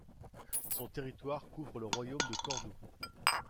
Son territoire couvre le royaume de Cordoue.